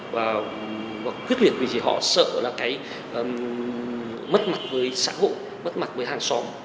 và quyết liệt vì họ sợ là cái mất mặt với xã hội mất mặt với hàng xóm